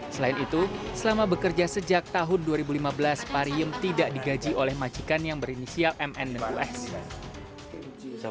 selain itu selama bekerja sejak tahun dua ribu lima belas pariem tidak digaji oleh majikan yang berinisial mn dan us